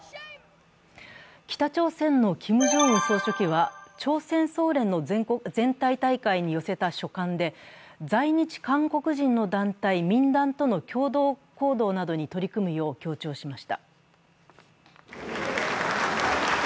北朝鮮のキム・ジョンウン総書記は朝鮮総連の全体大会に寄せた書簡で在日韓国人の団体、民団との共同行動などに取り組むよう強調しました。